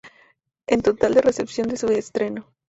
En total de repetición de su estreno.